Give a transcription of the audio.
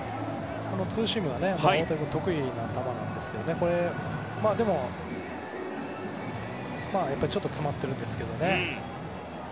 ツーシームは大竹君、得意な球ですけどちょっと詰まってるんですけどね。